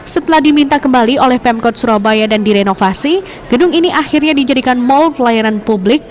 setelah diminta kembali oleh pemkot surabaya dan direnovasi gedung ini akhirnya dijadikan mall pelayanan publik